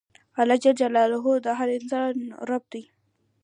اللهﷻ د هر انسان رب دی.